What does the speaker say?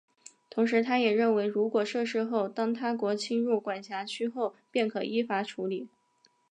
同时他也认为如果设市后当他国侵入管辖区后便可依法处理。